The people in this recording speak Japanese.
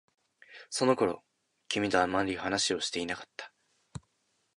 その頃、君とあまり話をしていなかった。